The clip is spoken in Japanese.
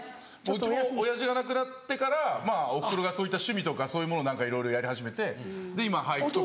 うちも親父が亡くなってからお袋がそういった趣味とかそういうものいろいろやり始めて今俳句とか。